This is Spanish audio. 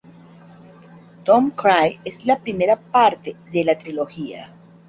Don't Cry es la primera parte de la trilogía.